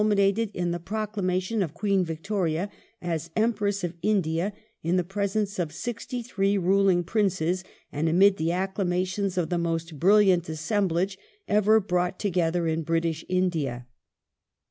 minated in the proclamation of Queen Victoria as Empress of India' in the presence of sixty three ruling Princes, and amid the acclama tions of the most brilliant assemblage ever brought together in British India.